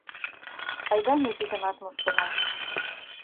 — Айда ме тидымат мушкына.